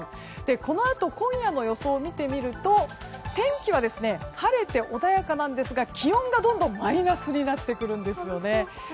このあと今夜の予想を見てみると天気は晴れて穏やかなんですが気温がどんどんマイナスになってくるんですね。